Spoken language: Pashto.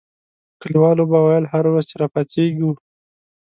کلیوالو به ویل هره ورځ چې را پاڅېږو.